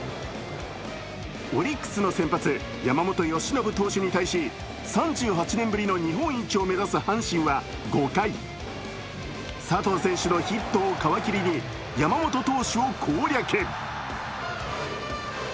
オリックスの先発・山本由伸投手に対し３８年ぶりの日本一を目指す阪神は５回、佐藤選手のヒットを皮切りに山本投手を攻略。